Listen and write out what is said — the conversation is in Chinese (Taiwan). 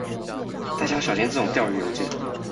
大家要小心這種釣魚郵件